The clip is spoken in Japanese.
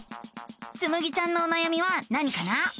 つむぎちゃんのおなやみは何かな？